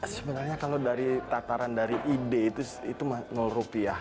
sebenarnya kalau dari tataran dari ide itu rupiah